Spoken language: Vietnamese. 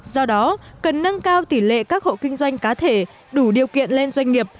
do đó cần nâng cao tỷ lệ các hộ kinh doanh cá thể đủ điều kiện lên doanh nghiệp